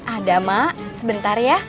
ada mak sebentar ya